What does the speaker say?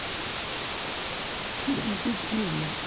Teccef-itent-id tidi.